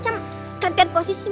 sekarang mau di game game siapa